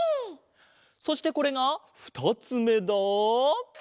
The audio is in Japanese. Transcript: そしてこれが２つめだ。